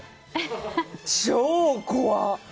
超怖っ。